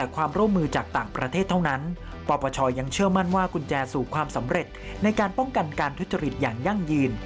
คุณแจสู่ความสำเร็จในการป้องกันการทุจริตอย่างยั่งยืน